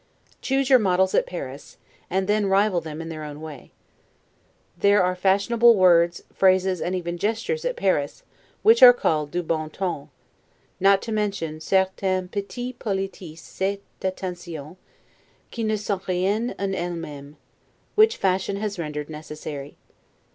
Choose your models well at Paris, and then rival them in their own way. There are fashionable words, phrases, and even gestures, at Paris, which are called 'du bon ton'; not to mention 'certaines Petites politesses et attentions, qui ne sont rien en elle memes', which fashion has rendered necessary.